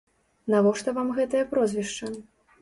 Навошта вам гэтае прозвішча?